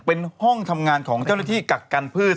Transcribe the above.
เป็นห้องทำงานของเจ้าหน้าที่กักกันพืช